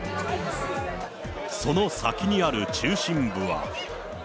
その先にある中心部は。